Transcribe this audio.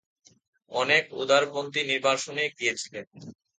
অনেক উদারপন্থী নির্বাসনে গিয়েছিলেন।